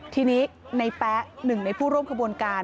ทีนี้ในแป๊ะหนึ่งในผู้ร่วมขบวนการ